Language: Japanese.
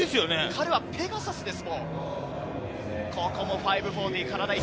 彼はペガサスです。